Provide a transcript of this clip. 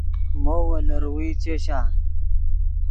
مو وو لروئے چشآ؟